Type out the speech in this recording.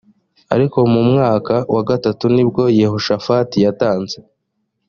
ariko mu mwaka wa gatatu ni bwo yehoshafati yatanze